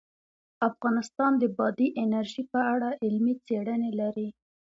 افغانستان د بادي انرژي په اړه علمي څېړنې لري.